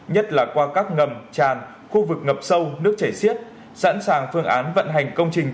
nhất là qua các ngầm tràn khu vực ngập sâu nước chảy xiết sẵn sàng phương án vận hành công trình